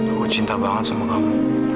aku cinta banget sama kamu